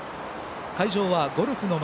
会場はゴルフの町